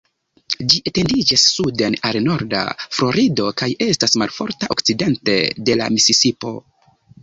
Ĝi etendiĝas suden al norda Florido, kaj estas malofta okcidente de la Misisipo.